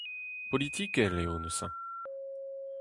Politikel eo, neuze.